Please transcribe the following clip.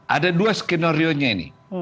ada dua skenario nya ini